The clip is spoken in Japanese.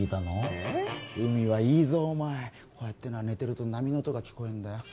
えっ海はいいぞお前こうやってな寝てると波の音が聞こえんだよ